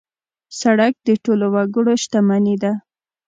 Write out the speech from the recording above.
سړک د ټولو وګړو شتمني ده.